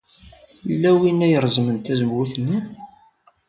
Yella win ay ireẓmen tazewwut-nni.